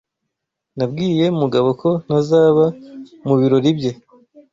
Nabwiye Mugabo ko ntazaba mu birori bye.